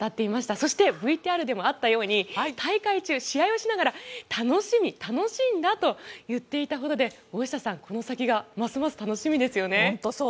そして、ＶＴＲでもあったように大会中、試合をしながら楽しんだと言っていたほどで大下さん、この先がますます楽しみですよね。